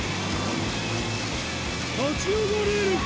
立ち上がれるか。